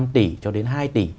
một năm tỷ cho đến hai tỷ